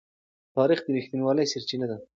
تاریخ د رښتینولۍ سرچینه ده.